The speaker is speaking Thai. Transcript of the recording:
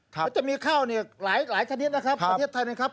แล้วจะมีข้าวเนี่ยหลายชนิดนะครับประเทศไทยนะครับ